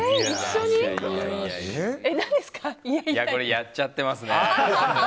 やっちゃってますね。